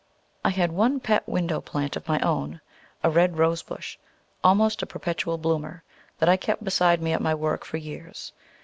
I had one pet window plant of my own, a red rosebush, almost a perpetual bloomer, that I kept beside me at my work for years.